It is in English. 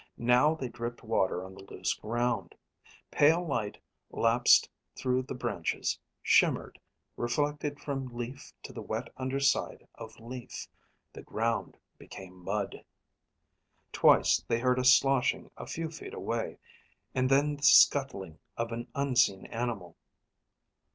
Now they dripped water on the loose ground. Pale light lapsed through the branches, shimmered, reflected from leaf to the wet underside of leaf. The ground became mud. Twice they heard a sloshing a few feet away, and then the scuttling of an unseen animal.